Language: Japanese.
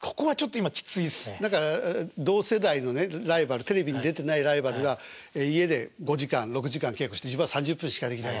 だから同世代のねライバルテレビに出てないライバルは家で５時間６時間稽古して自分は３０分しかできない。